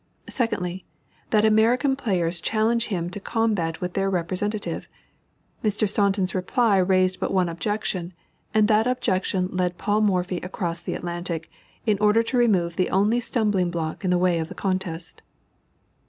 2ndly. That American players challenge him to combat with their representative. Mr. Staunton's reply raised but one objection; and that objection led Paul Morphy across the Atlantic, in order to remove the only stumbling block in the way of the contest.